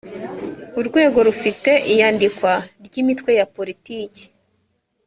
urwego rufite iyandikwa ry’imitwe ya politiki